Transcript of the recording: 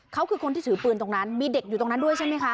เขาคือคนที่ถือปืนตรงนั้นมีเด็กอยู่ตรงนั้นด้วยใช่ไหมคะ